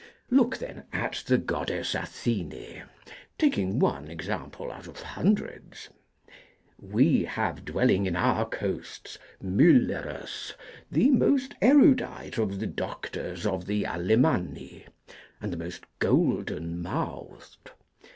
Look, then, at the goddess Athene: taking one example out of hundreds. We have dwelling in our coasts Muellerus, the most erudite of the doctors of the Alemanni, and the most golden mouthed.